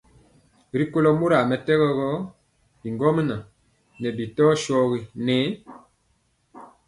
Rikólo mora mɛtɛgɔ gɔ, bigɔmŋa ŋɛɛ bi tɔ shogi ŋɛɛ.